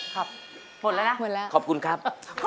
ครับหมดแล้วนะขอบคุณครับ